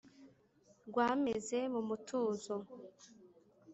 rwameze mu mutuzo